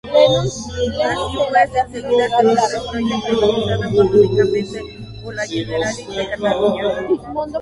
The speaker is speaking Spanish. Así pues, enseguida se empezó el proyecto, impulsado económicamente por la Generalitat de Cataluña.